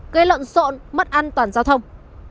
xe lộn xộn mất an toàn giao thông